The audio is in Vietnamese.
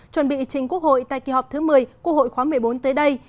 chuẩn bị chính quốc hội tại kỳ họp thứ một mươi quốc hội khóa một mươi bốn tới đây